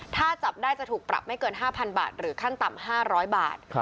ถ้าจับได้จะถูกปรับไม่เกิน๕๐๐บาทหรือขั้นต่ำ๕๐๐บาท